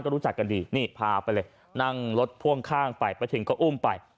รู้จักกันดีนี่พาไปเลยนั่งรถพ่วงข้างไปไปถึงก็อุ้มไป